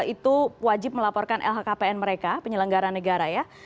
itu wajib melaporkan lhkpn mereka penyelenggara negara ya